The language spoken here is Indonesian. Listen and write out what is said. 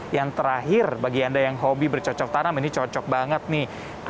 yang terakhir bagi anda yang hobi bercocok tanam ini cocok banget nih